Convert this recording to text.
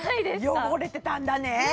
汚れてたんだね